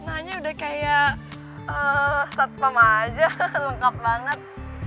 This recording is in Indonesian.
nanya udah kayak set pem aja lengkap banget